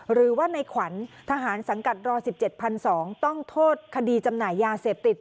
หรือว่าในขวัญทหารสังกัดรอ๑๗๒๐๐ต้องโทษคดีจำหน่ายยาเสพติด